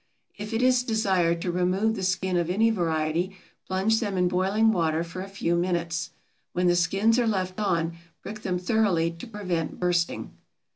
If it is desired to remove the skin of any variety, plunge them in boiling water for a few minutes. When the skins are left on, prick them thoroughly to prevent bursting.